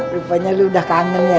rupanya lu udah kangen ya